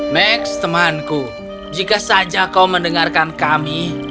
max temanku jika saja kau mendengarkan kami